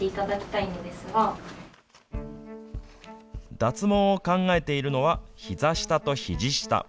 脱毛を考えているのは、ひざ下とひじ下。